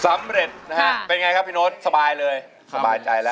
สำเร็จนะฮะเป็นไงครับพี่โน๊ตสบายเลยสบายใจแล้ว